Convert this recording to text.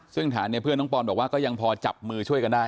ซึ่งฐานนี้เพื่อนน้องปอนบอกว่าก็ยังพอจับมือช่วยกันได้